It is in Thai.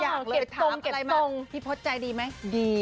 อยากเลยถามอะไรมาพี่โพชใจดีไหมดี